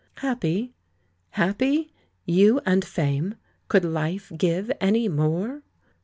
;;Happy?" " 'Happy' ? You, and Fame ! Could life give any more?"